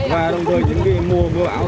và đồng thời những cái mùa mưa bão